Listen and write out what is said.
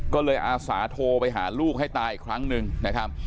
ก็เลยอาสาโทรไปหาลูกให้ตายอีกครั้งหนึ่งนะครับ